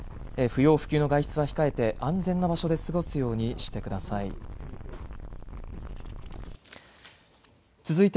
不要不急の外出は控えて安全な場所で過ごすようにしてください。